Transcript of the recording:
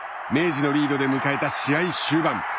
明治のリードで迎えた試合終盤。